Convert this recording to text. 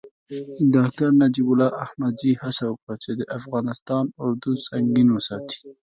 ډاکتر نجیب الله احمدزي هڅه وکړه چې د افغانستان اردو سنګین وساتي.